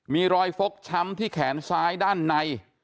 มีรอยฟกช้ำที่แขนซ้ายด้านใน